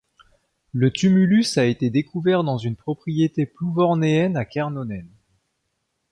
Le tumulus a été découvert dans une propriété plouvornéene à Kernonen.